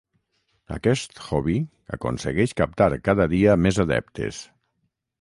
Aquest hobby aconsegueix captar cada dia més adeptes.